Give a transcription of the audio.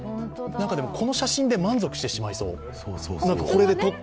この写真で満足してしまいそう。